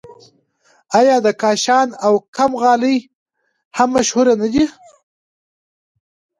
آیا د کاشان او قم غالۍ هم مشهورې نه دي؟